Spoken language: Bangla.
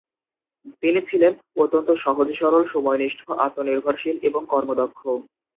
তিনি ছিলেন অত্যন্ত সহজ সরল, সময়নিষ্ঠ, আত্মনির্ভরশীল এবং কর্মদক্ষ।